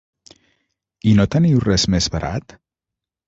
I no teniu res més barat?